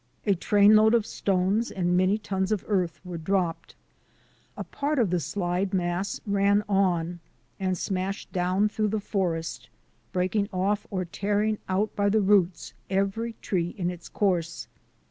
A trainload of stones and many tons of earth were dropped. THE WHITE CYCLONE 121 A part of the slide mass ran on and smashed down through the forest, breaking off or tearing out by the roots every tree in its course.